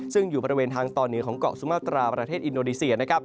ซึ่งอยู่บริเวณทางตอนเหนือของเกาะสุมาตราประเทศอินโดนีเซีย